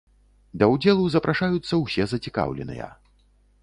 Да ўдзелу запрашаюцца ўсе зацікаўленыя.